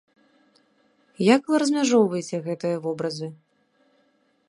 Як вы размяжоўваеце гэтыя вобразы?